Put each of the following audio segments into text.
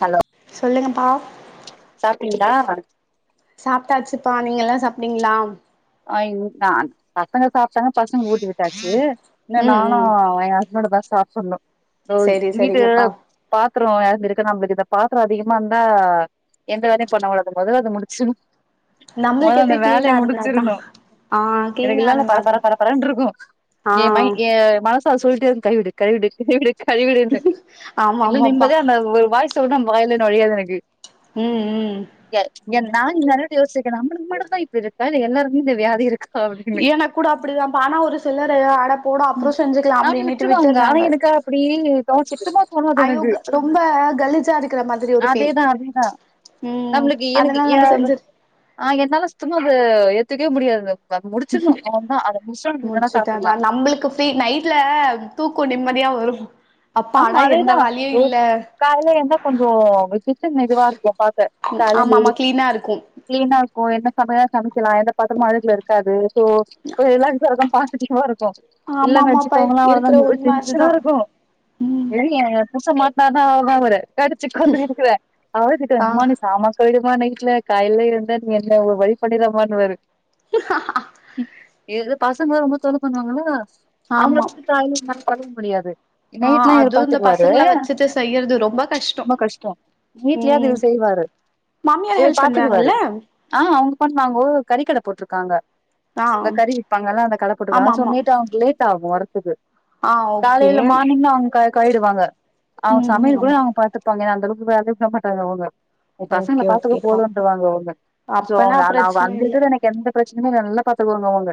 Hollow சொல்லுங்கப்பா சாப்பிட்டீங்களா சாப்பிட்டாச்சுப்பா நீங்க எல்லாம் சாப்பிட்டீங்களா ஹா இன்தா பசங்க சாப்ப ங்க பசங்க ஊட்டி விட்டாச்சு இனு ம் ம் நானும் என் ஹஸ் என்னோடதான் சாப்புடுனும் ஓ செரி கீடு செரிங்கப்பா பா பாத்திரம் யா இருக்க நம்மளுக்கு இந்த பாத்திரம் அதிகமா இருந்தா எந்த வேலையும் பண்ண தோணாது அத அது முடிச்சு நம்மளுக்கு எப்பயு க்ளீன்னா அது ச்சர்னும் எனக்கு இல்லனா பரப்பர பரப்பரனு இருக்கும் ஆ என் மைண்ட் மனசத சொல்லிட்டெ கழுவிடு கழுவிடு கழுவிடு கழிவிடுனு ஆமா என்னால ஆமாப்பா நிம்மதியா அந்த ஒரு வாய்ஸ் உட வயல படியாது எனக்கு உம் உம் ஏ நான் நெறய யோசிக்குநம்மளுக்குக்கு மட்டு தா இப்ப இரு சார் எல்லாருமே இந்த வியாதி இருக்கு எனக் கூட அப்படிதான்ப்ப ஆனா ஒரு சிலரு அட போடா அப்றோ உம் செஞ்சுக்கலா மாரி அப்டின்னுட்டு விட்டுருவாங்க ஆனா விட்டுறாங்க எனக்கு அப்படி சுத்தமா தோணது ஐயோ எனக்கு க ரொம்ப கலிஜா இருக்கிற மாதிரி ஒரு ஃபீல் அதேதான் அதேதான் ம் நம்மளுக்கு எனக்கு அதனால நம்ம யாரு செஞ்சு ஆஹ் என்னாலும் சுத்தும்மா அத ஏத்துக்கவே முடியாது அத முடிச்சிருனு அவ்ளோதா அத முடிச்சிட்டா நீ என்ன வேண்ணாலு சாப்புடலா சீ நைட்ல தூக்கோ நிம்மதியா வரு ஆமா அப்பாடா எந்த அதேதா வேலையு ஓ இல்ல காலல எழுந்தா கொஞ்சோ [unintelligible] இருக்கு பாக்க [unintelligible] ம் ஆமா ஆமா கிளீனா இருக்கு கிளீனா இருக்கு [unintelligible] சமைக்கலா எந்த பாத்தரமு [unintelligible] இருக்காது சோ இப்டி எல்லா [unintelligible] பாசிட்டிவா இருக்கு [unintelligible] இல்ல ஆமா ஆமாப்பா வச்சுக்கோங்கனா அவ்ளோதா இருக்கிற ஒரே உண்ம டென்ஷனா அதுதா இருக்கு ம் ஐயே ஏன் புருஷ மாட்னாருனா அவ்ளோதா அவரு கரிச்சு கூட திட்டுவே அவர திட்டுவா ஆ மனுஷா [unintelligible] ம்மா நைட்ல காயல்ல இருந்தேன்னு வை என்ன ஒரு வழி பண்ணிடறமான்னுவாரு ஏதோ பசங்க ரொம்ப தொல்ல பண்ணுவாங்கலா அவுங்கள ஆமா [unintelligible] பண்ணவும் முடியாது என்னா ஆ இப் எல்லா இவர் அதுவு இந்த பாத்துக்குவாரு பசங்கள வச்சுட்டு செய்யறது ரொம்ப ரொம்ப கஷ்டோ வீட்லயே அது ம் இவர் செய்வாரு மாமியார் இவர் ஹெல்ப் பாத்துக்குவாரு பண்றாங்கல்ல ஆஹ் அவங்க பண்ணுவாங்க ஓ கறிக்கடை போட்ருக் க்காங்க ஆ இந்த கறி விப்பாங்கல்ல அந்த கட ஆமா போட்ருக்காங்க சோ ஆமா நைட் அவங்களுக்கு லேட் ஆகு வர த்துது ஆ ஓகே காலைல மார்னிங்ல அவங் போயிடுவாங்க அவங்க ம் ம் சமையல் கூட ஆமா நாங்க பாத்து [unintelligible] இல்ல அந்த அளவுக்கு வேலயு தரமாட்டாங்க அவுங்க நீ பசங்கள ஓகே பாத்துக்கோ ஓகே பாப்போ போதுன்ட்ருவாங்கோ அவுங்க சோ அப்பனா நா நா பிரச்சன அங்க இல்ல இருக்கறது எனக்கு எந்த பிரச் சினிமால நல்லா காசு அள்ளுவாங்க அவங்க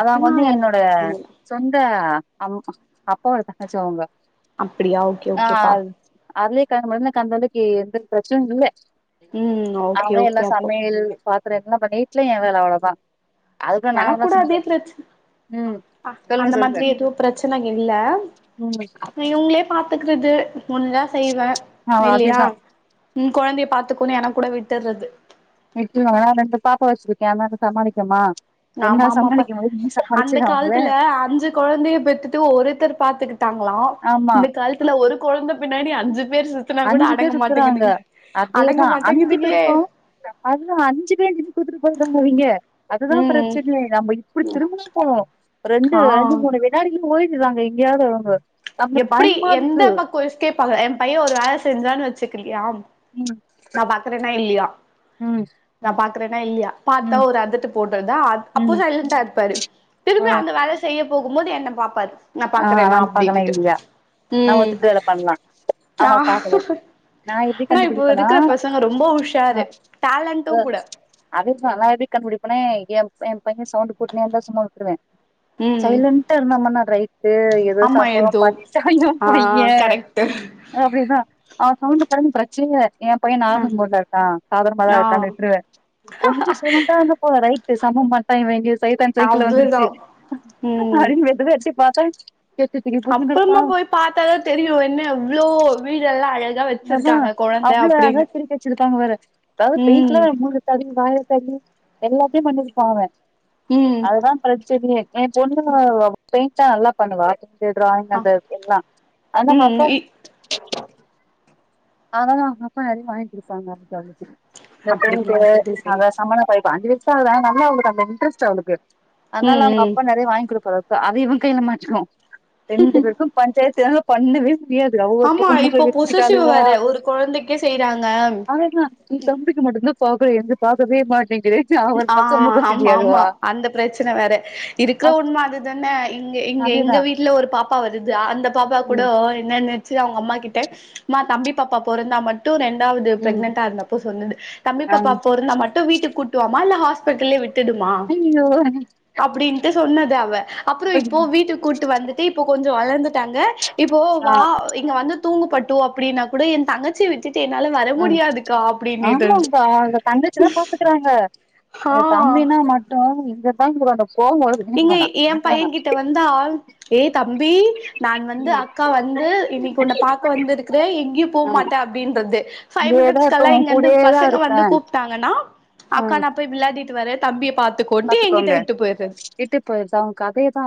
அவங்க வந்து எந்த என்னோட பிரச்சனையு இல்ல சொந்த ஆமாப்பா அப்பாவோட தங்கச்சி அவங்க அப்டியா ஓகே ஓகேப்பா அதே கெழம வந்து எனக்கு அன்னன்னக்கி எந்த பிரச்சனையு இல்ல ம் ஓகே அவங்க ஓகே எல்லா அப்போ சமையல் பாத் அப்றோ என்னப்பா வீட்லயு ஏன் வேலை அவ்ளோதா அதுக்குள்ள எனக்கு நானதா கூட செஞ்சு அதே பிரச்சன ஆ ம் ஆ சொல்லுங்க அந்த சொல்லுங்க மாதிரி எதுவு பிரச்சனை இல்ல ம் இவங்களே பாத்துக்கிறது முடிஞ்சா செய்வே ஆ இல்லையா அதேதா ம் கொழந்தைய பாத்துக்கோன்னு எனக்கு கூட விட் தறது கேமக்கு சமாளிக்கமா ஆமா என்னால ஆமாப்ப சமாளிக்க முடியாது நீ அந்த சமாளிச்சிரு அவங்கள காலத்துல அஞ்சு குழந்தைய பெத்துட்டு ஒருத்தர் பார்த்துக்கிட்டாங்களாம் ஆமா இந்த காலத்துல ஒரு குழந்த பின்னாடி அஞ்சு பேர் சுத்துனா கூட அஞ்சு பேர் அடங்க சுத்துறாங்க மாட்டேங்குதுங்க அடங்க அதேதான் அஞ்சு மாட்டேங்குதுங்களே பேருக்கும் அதுதான் அஞ்சு பேர் நின்னு கூடுத்துட்டு போயிறாங்கவங்க அதுதான் ம் பிரச்சனை நம்ம இப்படி திரும்பமா போனோம் ரெண்டு ஆ ரெண்டு மூணு வினாடிகள் போயிட்டு நாங்க எங்கேயாவது வங்க எப்படி எந்த பக்க எஸ்கேப் ஆகுற என் பையன் ஒரு வேலை செஞ்சான் வச்சுக்கேன் யார் ம், நான் பாக்கறேனா இல்லையா ம், நான் பாக்கன் இல்லையா பார்த்தா ம், ஒரு அதட்டு போட்டாதா அப்போ ம். சைலன்டா இருப்பாரு ஆ, திரும்பி அந்த வேலை செய்யப் போகும்போது என்ன பாப்பர் நான் பாக்கறேனா அப்படி நா ஒத்துட்டு வேலை பண்ணலாம் ஆ ஆமா பாக்கல நா எப்படி ஆனா இப்போ கண்டுபிடிப்பனா இருக்கிற பசங்க ரொம்ப உஷாரு டேலண்ட்டு கூட எப்படி கண்டுபிடிப்பேனே எ என் பசங்க சவ்ண்ட் போட்டுட்டு வந்த சும்மா விட்டிடுவேன் ம் சைலன்டா இருந்தன்னா ரை ஏதோ ஆமா சம்பவம் ஏதோ பண்ணிட்டான் என் ஆ பையன் கரெக்ட்டு அப்படிதான் கவுண்ட படந்து பிரச்ச என் பையன் நார் மூடுல இருக்கான் சாதாரமாதான் ஆ இருக்கான்னு விட்டிடுவேன் கொஞ்சம் சைலண்டா வந்து போ ரைட் சம்பவாம் பன்னிட்ட இவேங்கேஸ் சைதான் சைக்கிள்ல அவ்ளோதா வந்துருச்சு ம் அப்படின்னு எஸ்கேப் படண் அப்புறமா போய் பார்த்தாதான் தெரியும் என்ன எவ்வளோ வீடெல்லாம் அழ ஆமா அவ்வளோ அதான் திரி வச்சிருப்பாங்க வேற அதாவது ம் பெய்ட்டுல மூணு வாயத்தண்ணி எல்லாத்தையும் பண்ணிருப்பா அவன் ம் அதுதான் பிரச்ச சரி என் பொண்ணு பெயிண்டா நல்லா பண்ணுவா சொல்லா ஆ அந்த எல்லாம் ஆனா பத்த ம் அததா அப்பா எதையு வாங்கி கொடுத்தாங்க [unintelligible] இந்த அப்டிங்களா பெ சரி சரி அத சம்மான கைவிட்டு அஞ்சலி [unintelligible] நல்லா அவளுக்கு அதல இன்ட்ரெஸ்ட் அவளுக்கு அதனால ம் அவுங்க ம் அப்பா நெறைய வாங்கி கொடுக்காரு அத இவன் கையில மாச்சுக்கோம் ரெண்டு பேருக்கும் பஞ்சாயத் து பண்ணுவே முடியாது றா ஒவ்வொரு [unintelligible] புசசிவ் வேற ஒரு கொழந்தைக்கே செய்றாங்க அழுதா என் தம்பிக்கு [unintelligible] அவ ஒரு ஆ பக்கம் மூக்க தூக்கி ஆமா ஆமா அழுவா அந்த பிரச்சன வேற இருக்கு உண்ம அதுதானே இங்க-இங்க எங்க அதேதான் வீட்ல ஒரு பாப்பா வருது அந்த பாப்பா கூட ம் என்னன்ன சே அவுங்க அம்மா கிட்ட மா தம்பி பாப்பா பொருந்தா மட் டு ரெண்டாவது ம் பிரெக்னன்டா இருந்தப்போ சொன்னது தம்பி ஆ பாப்பா பொருந்தா மட்டும் வீட்டுக்கு கூட் அல்ல ஹாஸ்பிட்டலே விட் டுடுமா ஐயோ அப்டின்ட்டு சொன்னது அவ அப்பறோ இப்போ வீட்டு கூட்டு வந்துட்டு இப்போ கொஞ்சம் வளர்ந்துட்டாங்க இப்போ ஆ வா இங்க வந்து தூங்குப்பட்டு அப்டின்னா கூட என் தங்கச்சி விட்டுட் ஆ இருந்து ஆமாப்ப அவுங்க தங்கச்சி நா பாத்துக்கறாங்க ஆ எ தம்பினா மட்டும் [inaudible] எனக்கு இங்க வேணா எ எனக்கு வேணா பையன் கிட்ட வந்தால் ஏ தம்பி நான் வந்து ம் அக்கா வந்து இன்னிக்கு உன் பாக்க வந்திருக்கிறேன் எங்கேயும் ஆ போகமாட்டேன் அப்டின்றது து இங்கேயேதா இருப்ப பைவ்மினிட்ஸ்கல்லா உன் இங்க வந்து கூடயேதா பசங்க இருப்ப வந்து கூப்பிட்டாங்கன்னா ஆ அக்கா நா போய் வெல்லாடிட் வர தம்பிய பாத் துகோண்டு எங்கிட்ட விட்டு போயிறது வீட்டுக் போயிருப்பா அவனுக்கு அதேதா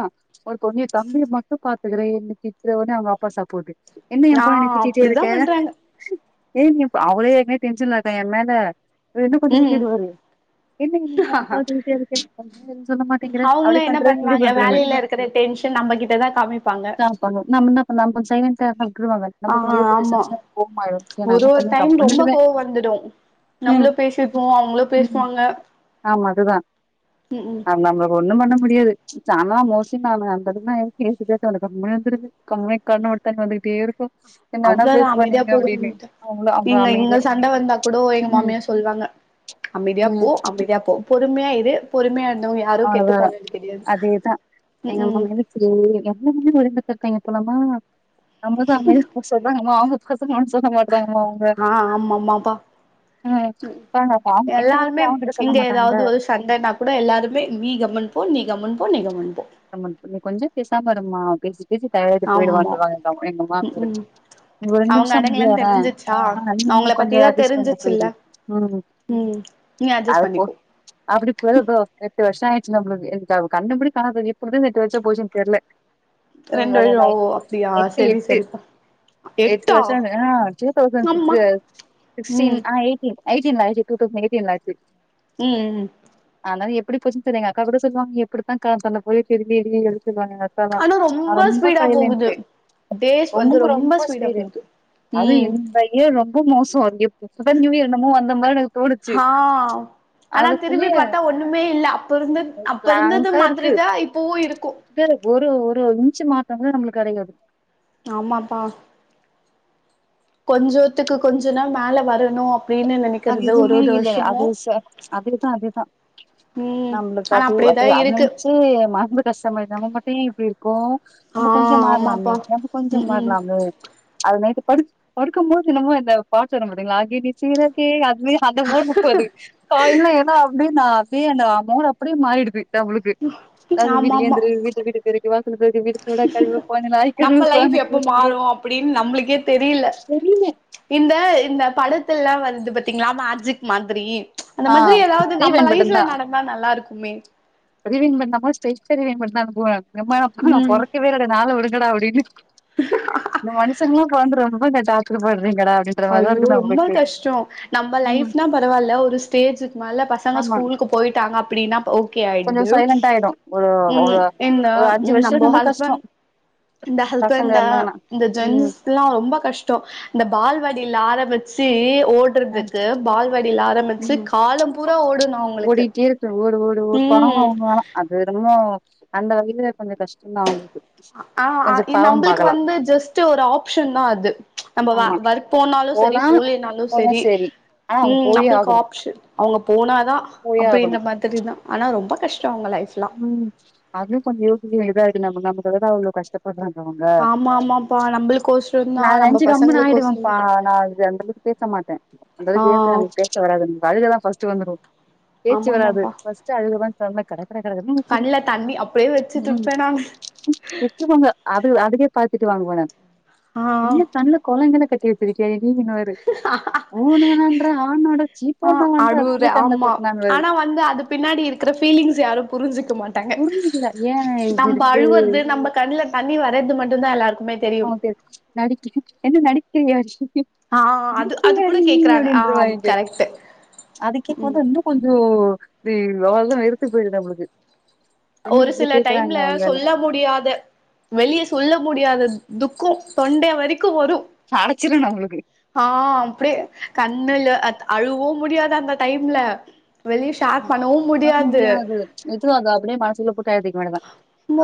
ஒரு [unintelligible] தம்பிய மட்டு பாத்துக்கறே என்ன திட்றனு அவுங்க அப்பா சப்போட்டு என்ன எ ஆ பொண்ண திட்டிடே அப்டிதா இருக்க பண்றாங்க [inaudible] அவளே மே டென்ஷன்ல எ மேல அவர் இன்னு கொஞ்ச ம் திட்டிடுவாரு என்ன நீங்க கொற சொல்லிட்டே சொல்ல மாட்டேங்கறே அவங்களு அப்டி என்ன பண்றேன் இப்டி பண்ணுவாங்க பண்றேனு வேலையில இருக்கிற டென்ஷன் நம்ம கிட்டதா காமிப்பாங்க சாப்டாங்க நம்ம ந பண்ண கொஞ்ச சைலன்ட்டா ஆமா ஆமா சரி நா ஒரு என்ன ஒரு பண்ண டைம் கம்முனு ரொம்ப இருந்துருவ கோவ வந்துடு ம் நம்மளே பேசிருப்போ அவங்களோ ம் பேசுவாங்க ஆமா அதுதா ம் [inaudible] ஒண்ணும் பண்ண முடியாது நா தான் மோஸ்லி நா அந்த அளவுக்குனா எதித்து எதித்து கேட்டாலு கம்முனு இருந்துருது கண்ணடோ கண் வந்துட்டே இருக்கும் என்ன வேணா அவ்ளோதா பேசுவா அமைதியா நீங்க போகுது அப்படின்னு விட்டேன் அவங்கள அவங்க நீங்க இங்க அமைதியா சண்ட வந்தா கூட எங்க ம் மாமியார் சொல்வாங்க அமைதியா போ ம் அமைதியா போ பொறுமையா இரு பொறுமையான அவ்ளதாம் அதேதான் ம் எங்க அம்மா ம் மேல எல்லாம் ஒளி எங்க லமா நம்மதான்றாம்மா அவங்க பசங்க சொல்ல மாட்டேங்க ஆ ஆமாமாப்பா ம் பாருங்க அப்ப அவங்க எந்த எல்லாருமே வார்த்தையும் அவங்கிட்ட சொல்ல இங்க ஏதாவது மாட்டாங்கல்ல ஒரு சண்டைன்னா கூட எல்லாரு நீ கம்மன் போ நீ கம்மன் போ [inaudible] பே [inaudible] டயட்டு போயிடு ஆமா எங்க ம் மாமியார் ம் ரெண்டு அவங்க நிமிஷம் அமைதியா அடங்கலன்னு தெரிஞ்சிச்சா இறே அவங்கள கொஞ்சம் பத்திதா அட்ஜஸ்ட் பண்ணி தெரிஞ்சிச்சுல்ல போயிடு ம் நீ அட்ஜஸ்ட் பண்ணிக்கோ அப்படி போதோ எட்டு வருஷம் ஆயிடும் நம்ம கண்ணபடி காண புது நெட்டு வச்ச போச்சு தெரியல ரெண்டு வருஷோ ஓ அப்டியா எட்டு செரி எட்டு செரிப்பா எட்டு எட்டா வருஷம் ஹ டுதௌவ்சன் ஆமா சிக்ஸ்டீன் ம் எய்டீன் [inaudible] ம் எப்படி போச்சு தெரியல எங்கக்கா கூட சொல்லுவங்க எப்டித்தான் காலம் தல்ல ஒலிச்சவி [inaudible] ஆனா [inaudible] நான ரொம்ப ஸ்பீடா சைலண்ட் போகுது டேஸ் வந்து ரொம்ப ரொம்ப ஸ்பீடா ஸ்பீடு போகுது அதுவும் ம் இந்தைய ரொம் மோசம் இப்ப தா நீவ் யர் வந்த மாரி இருக்குது ஆ ஆனா திரும்பி பாத்தா ஒண்ணுமே இல்ல அப்ப இருந்த அப்ப இருந்த பிளாங்கா இருக்கு மாரிதான் இப்ப ஒரு ஒரு மு மாம் நம்மளுக்கு கெடையு ஆமாப்பா கொஞ்சத்துக்கு கொஞ்ச நாள் மேல வரணும் அது எதுவுமே இல்ல அது அதுதான் அதுதான் ம் நம்மளுக்கு ஆனா அது அது அப்டியேதா இருக்கு அதவச்சி கஷ்டம் தான் மட்டும் எப்டி இருக்கும் ஆ ரொம்ப கொஞ்சம் ஆமாப்பா மாறலாமே ரொம்ப கொஞ்சம் ம் ம் மாறலாமே அது நேட்டு படுக்கும் போது நனமோ இந்தந்த பாட வர மாட்ட் த்தீங்களாகே நீ சீர [inaudible] வே அந்த வேர்ட் முப்பது காயல்ல ஏனா அப்படின்னா தே அமௌண்ட் அப்படியே மாறிடுது ளுக்கு அது ஆமா ஆமா வீட்டுக்குந்து வீட்டு வீட்டு தெரிகுவா நம்ம லைப் கொழந்தைக்கு எப்ப ஊட்டி விடு மாறும் அப்படின்னு நம்மளுக்கே தெரியில இந்த இந்த பட ல்லாம் வந்து பாத்தீங்களா மேஜிக் மாதிரி அந்த ஆ மாரி ஏதாவது நம்ம ரீவைண்ட் பட்டன் லைப்ல தா நடந்தா நல்லா இருக்கும் உ மே [unintelligible] நா ம் பொறக்கவே இல்ல என் நா [unintelligible] இந்த மனுஷன்ல்லாம் [unintelligible] போன்ல ஜார்க்கு போ ஐயோ ரொம்ப கஷ்டம் நம்ம ம் லைப்னா பரவாயில்ல ஒரு ஸ்டேஜுக்கு மேல பசங்க ஆமா ஸ்கூலுக்கு போயிட்டாங்க அப்படின்னா ஓகே கொஞ்சோ ஆயிடுது சைலண்ட் ஆயிடும் ஒரு ம் ஒரு என்ன ஒரு அஞ்சு வருஷம் நம்ம கொஞ்சோ கஷ்டம் ஹஸ்பண்ட் இந்த ஹஸ்பண்ட இந்த ம் ஜென்ஸ் எல்லாம் ரொம்ப கஷ் இந்த பால்வாடியில ஆரம்பிச்சு அ ஓடுறதுக்கு பால்வாடியில ஆரம்பிச்சு ம் காலம் பூரா ஓடனும் அவங்களுக்கு ஒரு கடம ம் ஒன்னு அது இருந்து ஓ அந்த வகையில கொஞ்சம் கஷ்டம் தான் அவங்ளுக்கு ஆஹ் ஆஹ் நம்மளுக்கு வந்து ஜஸ்ட் ஒரு ஆப்ஷன் தான் அது நம்ம ஒர்க் போனாலும் செரி போவளனாலும் செரி ஆ செரி ஆஹ் அங்க போயே ஆகணும் ஆப்ஷன் அவங்க போனா அப்படின்ற மாதிரி தான் ஆனா ரொம்ப கஷ்ட உம் அது கொஞ்சம் யோசிக்க வேண்டியதா இருக் நம அதான் அவுங்க கஷ்டப்படுறாங்க ஆமா ஆமாப்பா நம்மளுக்கோசரோ தா நான் நம்ம அஞ்சு கம்முன் பசங்களுக்கோசரோ ஆயிடுவேன்ப்பா தா நான் அந்த அளவுக்கு பேச மாட்டேன் அந்த ஆ அளவுக்குற்க நம பேச வராது அதுதான் அ ஃபஸ்ட் வந்துர பேச்சு ஆமா வராது ஆமாப்பா ஃபர்ஸ்ட் அது தெரில கண்ல தண்ணி அப்டியே ப்ப வச்சுட்டு இருப்பே நானு [inaudible] விட்டுங்க அது அதுவே திட்டு வாங்க போறேன் ஆ என்ன தண்ணல குழைங்க [unintelligible] ஆனோட ஆஹ் சீப்போன்னவன்ற அடுற அதுக்குள்ளயே கண்ல ஆமா கொட்னான்வாரு ஆனா வந்து அது பின்னாடி இருக்கிற பீலிங்ஸ் யாரும் புரிஞ்சுக்க மாட்டாங்க புரிஞ்சுக்கல ஏ இது நம்ம இருக்கு அழுவறது நம்ம கண்ணுல தண்ணி வர்றது மட்டும்தான் எல்லாருக்குமே தெரியும் இங்க எங்கையாச்சு நடிக்கிறிய கூட நீ கேக்குறாங்க ஆ அப்படின்னுருவா கரெக்ட் அது கேட்ட ம் வந்து கொஞ்சோ ம் அவ்ளதான் வெறுத்து போயிடும் நம்ளுக்கு ஒரு சில டைம்ல சொல்ல முடியாத வெளிய சொல்ல முடியாத துக்கோ தொண்டைய வரை க்கு வரு அடச்சிரு நம்மளுக்கு ஆஹ் அப்டியே கண்ணுல அத் அழுவவு முடியாது அந்த டைம்ல வெளிய ம ஷேர் பண்ணவு ம முடியாது நெஜமா அது அப்டியே மனசுக்குள்ள [unintelligible]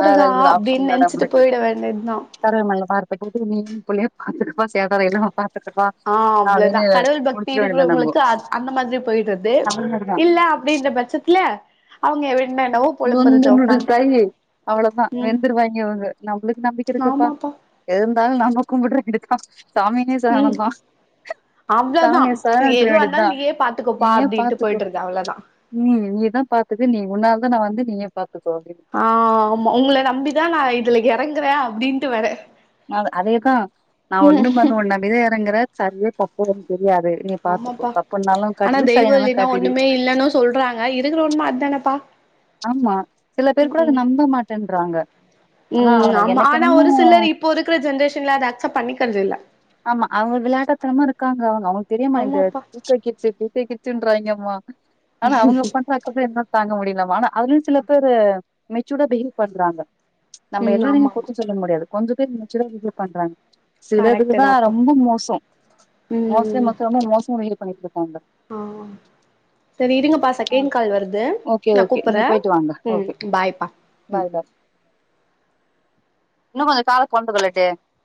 வேற எதுவு இதுல ஆப்ஷன் அப்டின்னு இல்ல நெனச்சிட்டு நம்மளுக்கு போயிட வேண்டியதுதா கடவுள் மேல பாரத்த போட்டு நீயும் உம் புள்ளயு அதுக்குதா சேதாரோ என்னவா ஆஹ் அவ்வளவுதா கடவுள் பக்தி முடிச்சிட வேண்டியதா நம்போ இருக்கிறவங்களுக்கு அந் அந்த மாதிரி போயிடுறது அந்த மாரிதா இல்ல அப் அப்டின்ற பட்சத்துல அவங்க எப் இந்தொந்துல் தையை அவ்வளோதான் ம் வெந்தரு வாங்கிவங்க நம்மளுக்கு நம்பிக்கை இருக்குப்பா ஆமாப்பா எது அதனால நாங்க கும்பிடுறது இதுக்குதா சாமியே ம் சரணம்தா அவ்ளோதா சாமிய சரணடைஞ்சற எதுவா வேண்டியதுதா இருந்தாலு நீயே பாத்துக்கோப்பா நீயே அப்டின்ட்டு பாத்துக்கோ போயிடுறது அவ்ளோதா உம் நீதா பாத்துக்க நீ உன்னால் கன வந்து நீங்க இப்ப ஆ ஆமா உங்கள நம்பிதா நா இதுல எறங் [unintelligible] அப்டின்ட்டு வர மேல அதேதா நா ஒண்ணும் பண்ணுவ நா [unintelligible] எறங்குற சரியோ தப்போ வந்து ஆமாப்பா ஆனா தெய்வோ சரினாலும் இல்லைனா காட்டிடு ஒண்ணுமே இல்லைன்னு சொல்றாங்க இருக்கிற உண்ம அதுதானப்பா ஆமா சில பேர் கூட அத நம்ப மாட்டேன்றாங்க ஆனா ம் ஆமா எனக்கு ஆனா என்னமோ ஒரு சிலர் இப்போ இருக்கிற ஜென்ரேஷன்ல அத அக்செப்ட் பண்ணிக்கிறது இல்ல ஆமா அவங்க விளையாட்டுத்தனமா இருக் க்காங்க அவங்க அவங் பெரியம்மா இந்த ஆமாப்பா two K kids two K கிட்ஸுனு ட்றாய்ங்கம்மா ஆனா அவங்க பண்ற அக்கப்பேர்தா தாங்க முடியலம்மானா அதுலயு சில பேரு மெச்சூர்டா பிஹேவ் பண்றாங்க நம்ம ம் எல்லாரையு ஆமா ஆமா குத்தம் சொல்ல முடியாது கொஞ்ச பேர் மெச்சூர்டா பிஹேவ் பண்றாங்க சிலதுக்கு கரெக்ட் தான் தாப்பா ரொம்ப மோசம் மோசம் மொத்த ரொம்ப மோசம் பண்ணிக்றோ ஆஹ் சரி இருங்கப்பா செகண்ட் கால் வருது ஓகே நா ஓகே கூப் நீங்க போயிட்டு வாங்க ஓகே ம் பாய் பாய் இன்னு கொஞ்ச கால கொண்டு [unintelligible]